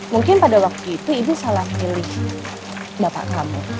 mungkin pada waktu itu ibu salah pilih bapak kamu